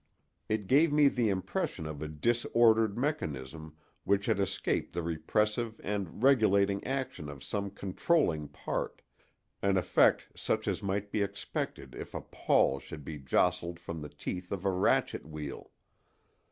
It gave me the impression of a disordered mechanism which had escaped the repressive and regulating action of some controlling part—an effect such as might be expected if a pawl should be jostled from the teeth of a ratchet wheel.